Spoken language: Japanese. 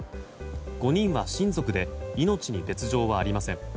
５人は親族で命に別条はありません。